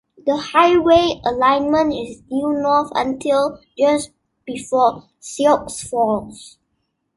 The highway alignment is due north until just before Sioux Falls.